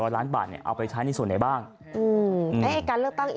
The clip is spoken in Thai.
๑๓๐๐ล้านบาทเอาไปใช้ในส่วนไหนบ้าง